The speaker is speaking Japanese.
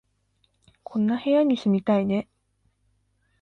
こんな部屋に住みたいね